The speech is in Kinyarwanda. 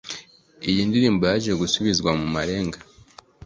Iyi ndirimbo yaje gusubizwa mu marenga